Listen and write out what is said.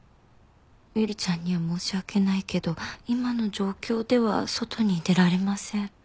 「ゆりちゃんには申し訳ないけど今の状況では外に出られません」